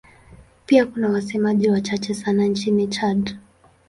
Pia kuna wasemaji wachache sana nchini Chad.